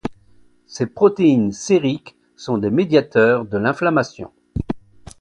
Ces protéines sériques sont des médiateurs de l'inflammation.